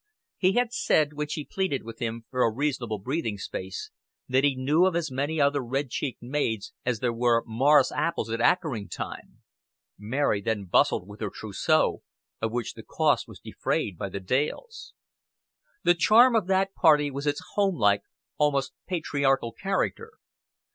He had said, when she pleaded with him for a reasonable breathing space, that he knew of as many other red cheeked maids as there were morris apples at akering time. Mary then bustled with her trousseau, of which the cost was defrayed by the Dales. The charm of that party was its homelike, almost patriarchal character.